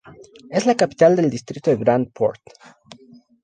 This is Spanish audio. Es la capital del distrito de Grand Port.